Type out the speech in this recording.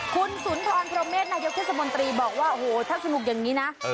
คุณสุนทรพรพรหมเศษนายกเทศมนตรีบอกว่าโอ้โหถ้าสนุกอย่างนี้นะ